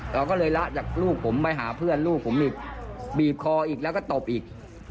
เราก็เลยละจากลูกผมไปหาเพื่อนลูกผมอีกบีบคออีกแล้วก็ตบอีก